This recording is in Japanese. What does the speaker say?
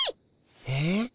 えっ？